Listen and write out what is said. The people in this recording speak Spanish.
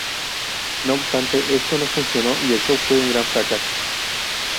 No obstante esto no funcionó y el show fue un gran fracaso.